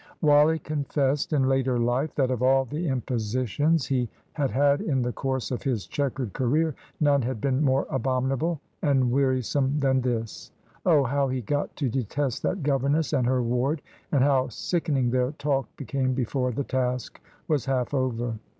Wally confessed, in later life, that of all the impositions he had had in the course of his chequered career, none had been more abominable and wearisome than this. Oh, how he got to detest that governess and her ward, and how sickening their talk became before the task was half over!